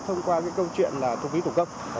thông qua cái câu chuyện là thu phí thủ công